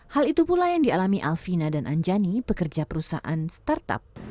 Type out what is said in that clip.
hal itu pula yang dialami alfina dan anjani pekerja perusahaan startup